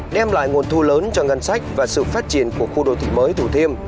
đem lại nguồn thu lớn cho ngân sách và sự phát triển của khu đô thị mới thủ thiêm